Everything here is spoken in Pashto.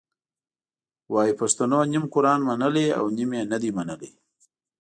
وایي پښتنو نیم قرآن منلی او نیم یې نه دی منلی.